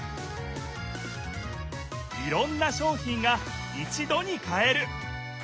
いろんな商品が一度に買える！